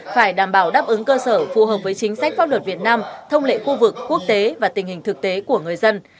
phải đảm bảo đáp ứng cơ sở phù hợp với chính sách pháp luật việt nam thông lệ khu vực quốc tế và tình hình thực tế của người dân